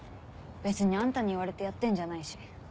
別にあんたに言われてやってんじゃないし。